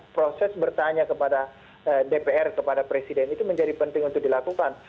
proses bertanya kepada dpr kepada presiden itu menjadi penting untuk dilakukan